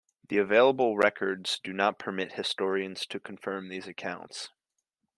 The available records do not permit historians to confirm these accounts.